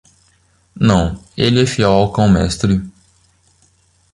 Não, ele é fiel ao cão mestre.